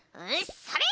それ！